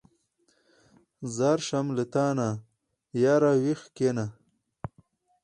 ځار شم له تانه ياره ویښ کېنه.